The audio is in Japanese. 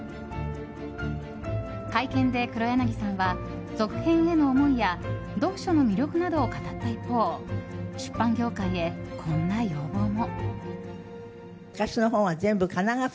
会見で黒柳さんは続編への思いや読書の魅力などを語った一方出版業界へこんな要望も。